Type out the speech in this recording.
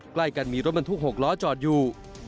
ใกล้กันมีรถบรรทุก๖ล้อจอดอยู่